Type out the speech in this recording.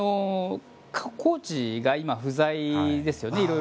コーチが今不在ですよね。